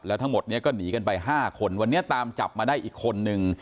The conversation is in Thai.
ทั้งหมดนี้ก็หนีกันไป๕คนวันนี้ตามจับมาได้อีกคนนึง